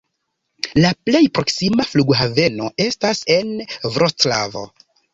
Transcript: La plej proksima flughaveno estas en Vroclavo.